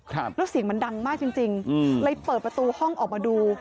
ครับแล้วเสียงมันดังมากจริงจริงอืมเลยเปิดประตูห้องออกมาดู